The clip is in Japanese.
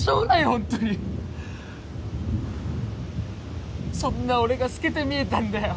ホントにそんな俺がすけて見えたんだよ